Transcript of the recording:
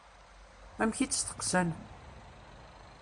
Amek i tt-steqsan?